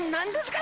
か